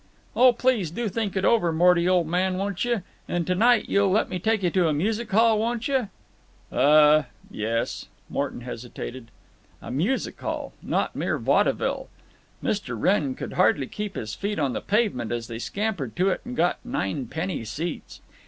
"Oh, please do think it over, Morty, old man, won't you? And to night you'll let me take you to a music hall, won't you?" "Uh—yes," Morton hesitated. A music hall—not mere vaudeville! Mr. Wrenn could hardly keep his feet on the pavement as they scampered to it and got ninepenny seats.